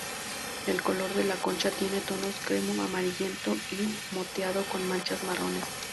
El color de la concha tiene tonos crema, amarillento y moteado con manchas marrones.